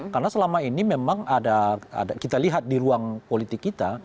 karena selama ini memang ada kita lihat di ruang politik kita